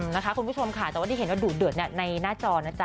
นะคะคุณผู้ชมค่ะแต่ว่าที่เห็นว่าดูดเดือดในหน้าจอนะจ๊